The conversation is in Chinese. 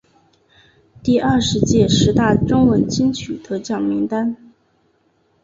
第二十届十大中文金曲得奖名单